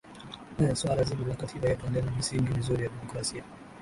a swala zima la katiba yetu halina misingi mizuri ya democrasia